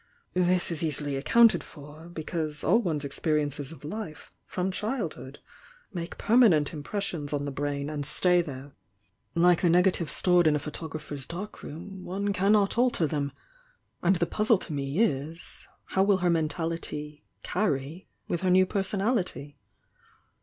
This is easily accounted for, because all one's experiences of life from childhood make per manent impressions on the brain and stay there. THE YOUNG DIANA 255 Like the negatives stored in a photographer's dark room one cannot alter them. And the puzzle to me is, how will her mentality 'carry' with her new Eersonality?